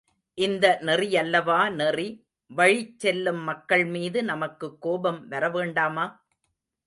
இந்த நெறியல்லா நெறி வழிச் செல்லும் மக்கள்மீது நமக்குக் கோபம் வரவேண்டாமா?